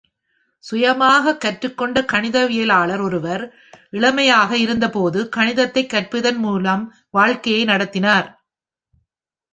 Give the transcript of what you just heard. சுயமாகக் கற்றுக்கொண்ட கணிதவியலாளர் ஒருவர், இளமையாக இருந்தபோதும் கணிதத்தைக் கற்பிப்பதன் மூலம் வாழ்க்கையை நடத்தினார்.